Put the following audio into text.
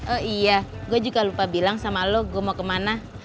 oh iya gua juga lupa bilang sama lu gua mau kemana